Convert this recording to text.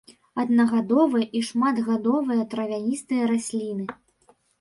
Аднагадовыя і шматгадовыя травяністыя расліны.